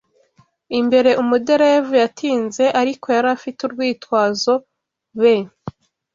imbere Umuderevu yatinze ariko yari afite urwitwazo be